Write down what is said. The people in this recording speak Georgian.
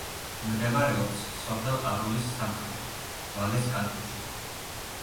მდებარეობს სოფელ აროლის სამხრეთით, ვალეს კანტონში.